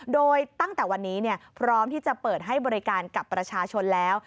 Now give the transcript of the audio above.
โดยตั้งแต่วันนี้พร้อมที่จะเปิดให้บริการกับประชาชนแล้ว